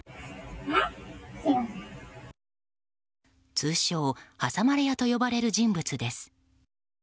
通称、挟まれ屋と呼ばれる人物です。